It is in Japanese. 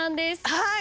はい。